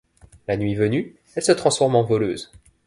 La nuit venue, elles se transforment en voleuses.